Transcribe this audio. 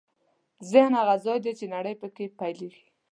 ذهن هغه ځای دی چې نړۍ پکې پیلېږي.